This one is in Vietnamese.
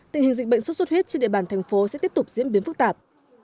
tình hình dịch bệnh xuất xuất huyết trên địa bàn thành phố sẽ tiếp tục diễn biến phức tạp